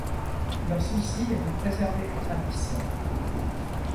Leur souci est de préserver les traditions.